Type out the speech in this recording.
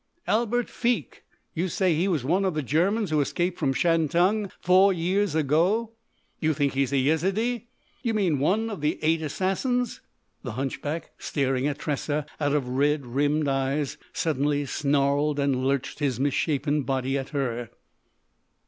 Albert Feke? You say he was one of the Germans who escaped from Shantung four years ago?... You think he's a Yezidee! You mean one of the Eight Assassins?" The hunchback, staring at Tressa out of red rimmed eyes, suddenly snarled and lurched his misshapen body at her.